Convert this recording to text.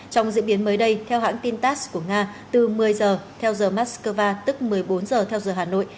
trong diễn biến mới đây theo hãng tin tass của nga từ một mươi giờ theo giờ moscow tức một mươi bốn giờ theo giờ hà nội